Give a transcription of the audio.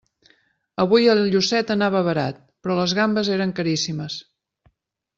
Avui el llucet anava barat, però les gambes eren caríssimes.